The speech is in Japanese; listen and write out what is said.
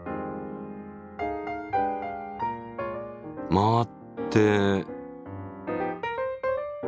回って。